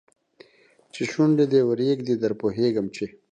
چې شونډي دې ورېږدي در پوهېږم چې